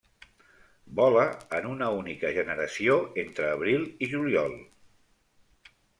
Vola en una única generació entre abril i juliol.